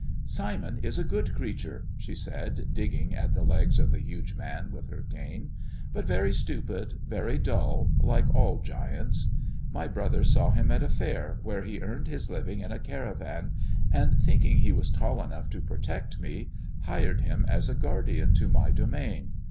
" Simon is a good creature," she said, digging at the legs of the huge man with her cane, " but very stupid, very dull, like all giants. My brother saw him at a fair, where he earned his living in a caravan, and thinking h,e was tall enough to protect me, hired him as a guardian to my domain.